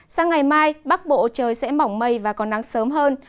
sang ngày mai bắc bộ trời sẽ mỏng mây và còn nắng sớm hơn